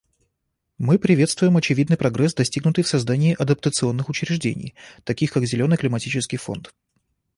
Мы приветствуем очевидный прогресс, достигнутый в создании адаптационных учреждений, таких как Зеленый климатический фонд.